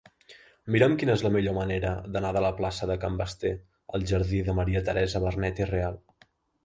Mira'm quina és la millor manera d'anar de la plaça de Can Basté al jardí de Maria Teresa Vernet i Real.